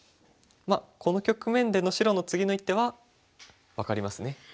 この局面での白の次の一手は分かりますね。